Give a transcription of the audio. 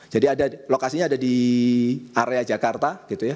jadi ada lokasinya ada di area jakarta